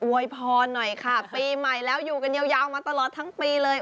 วยพรหน่อยค่ะปีใหม่แล้วอยู่กันยาวมาตลอดทั้งปีเลย